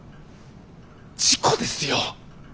事故ですよ！